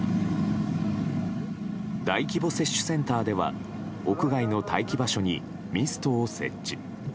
大規模接種センターでは屋外の待機場所にミストを設置。